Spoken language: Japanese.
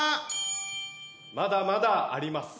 まだまだあります。